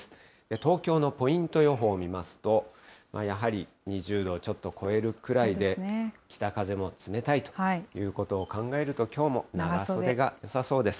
東京のポイント予報見ますと、やはり２０度をちょっと超えるぐらいで、北風も冷たいということを考えると、きょうも長袖がよさそうです。